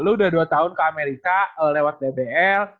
lu udah dua tahun ke amerika lewat dbl